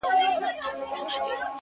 • د آسمان غېږه وه ډکه له بازانو ,